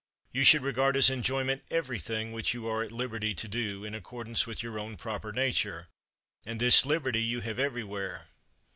You should regard as enjoyment everything which you are at liberty to do in accordance with your own proper nature; and this liberty you have everywhere.